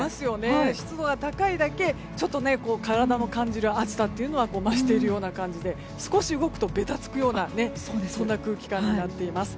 湿度が高いだけ体も感じる暑さは増しているような感じで少し動くとべたつくような空気感になっています。